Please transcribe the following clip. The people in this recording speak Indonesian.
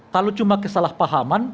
kalau cuma kesalahpahaman